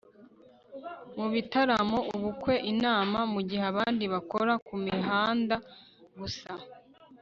mu bitaramo, ubukwe, inama mu gihe abandi bakora ku mihanda gusa